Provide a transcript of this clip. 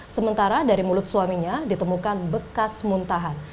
sementara dari mulut suaminya ditemukan bekas muntahan